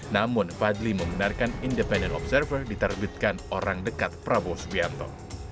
namun fadli membenarkan independent observer diterbitkan orang dekat prabowo subianto